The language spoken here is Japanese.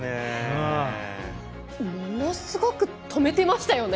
ものすごく止めてましたね。